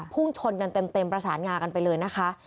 พุ่งชนกันเต็มประสานงากันไปเลยนะคะ